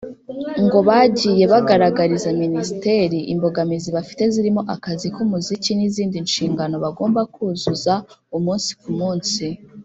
ngo bagiye bagaragariza Minisiteri imbogamizi bafite zirimo akazi k’umuziki n’izindi nshingano bagomba kuzuza umunsi ku munsi